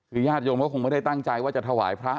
คือญาติโยมก็คงไม่ได้ตั้งใจว่าจะถวายพระ